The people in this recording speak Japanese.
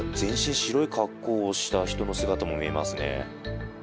白い格好をした人の姿も見えますね。